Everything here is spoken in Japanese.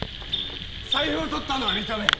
財布をとったのは認める。